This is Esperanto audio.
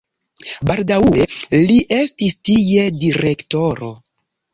Baldaŭe li estis tie direktoro.